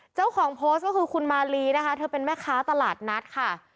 เจ้าของโพสต์ก็คือคุณมาลีนะคะเธอเป็นแม่ค้าตลาดนัดค่ะ